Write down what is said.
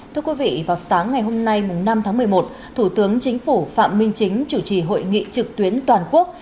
thưa quý vị vào sáng ngày hôm nay năm tháng một mươi một thủ tướng chính phủ phạm minh chính chủ trì hội nghị trực tuyến toàn quốc